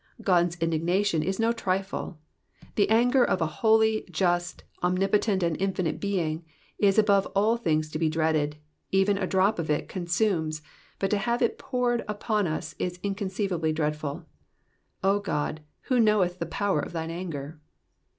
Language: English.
God's indignation is no trifle ; the anger of a holy, just, omnipotent, and infinite Being, is above all things to be dreaded ; even a drop of it consumes, but to have it poured upon us is incon ceivably dread fuL O God, who knoweth the power of thine anger